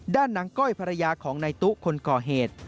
ด้านนางก้อยภรรยาของนายตู้คนก่อเหตุ